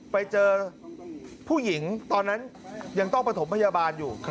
ไปเจอผู้หญิงตอนนั้นยังต้องประถมพยาบาลอยู่